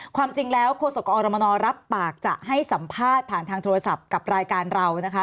ความจริงแล้วโฆษกอรมนรับปากจะให้สัมภาษณ์ผ่านทางโทรศัพท์กับรายการเรานะคะ